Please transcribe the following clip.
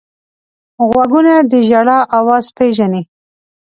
غوږونه د ژړا اواز پېژني